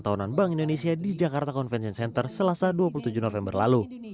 tahunan bank indonesia di jakarta convention center selasa dua puluh tujuh november lalu